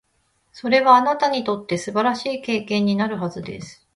それは、あなたにとって素晴らしい経験になるはずです。